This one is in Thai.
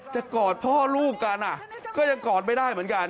กอดพ่อลูกกันก็ยังกอดไม่ได้เหมือนกัน